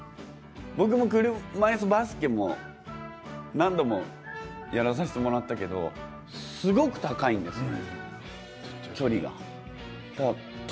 僕も車いすバスケも何度もやらさせてもらったけど入んないんですよ。